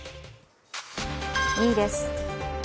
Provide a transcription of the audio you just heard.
２位です。